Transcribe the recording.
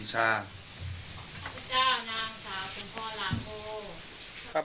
ข้าพเจ้านางสาวทุนพ่อหลาโพ